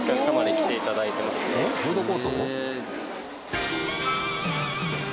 フードコート？